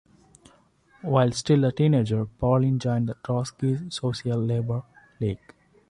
While still a teenager, Paulin joined the Trotskyist Socialist Labour League.